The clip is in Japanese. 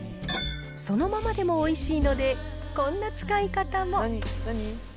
そのままでもおいしいので、こんな使い方も。